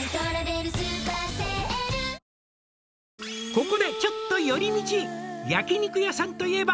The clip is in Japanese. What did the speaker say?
「ここでちょっと寄り道」「焼肉屋さんといえば」